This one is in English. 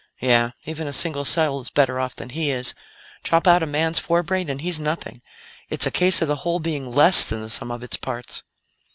"Yeah. Even a single cell is better off than he is. Chop out a man's forebrain and he's nothing. It's a case of the whole being less than the sum of its parts."